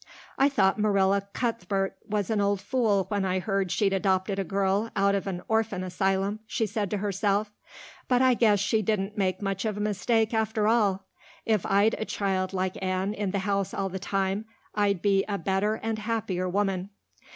"I thought Marilla Cuthbert was an old fool when I heard she'd adopted a girl out of an orphan asylum," she said to herself, "but I guess she didn't make much of a mistake after all. If I'd a child like Anne in the house all the time I'd be a better and happier woman."